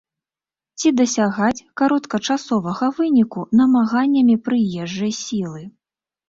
Ці дасягаць кароткачасовага выніку намаганнямі прыезджай сілы.